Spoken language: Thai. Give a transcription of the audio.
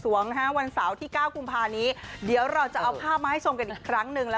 วันเสาร์ที่๙กุมภานี้เดี๋ยวเราจะเอาภาพมาให้ชมกันอีกครั้งหนึ่ง